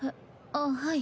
あっはい。